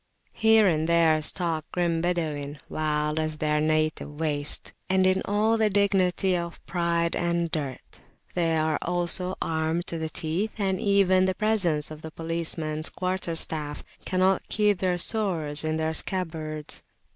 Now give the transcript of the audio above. Here and there stalk grim Badawin, wild as their native wastes, and in all the dignity of pride and dirt; they also are armed to the teeth, and even the presence of the policeman's quarterstaff[FN#6] cannot keep their swords in their scabbards.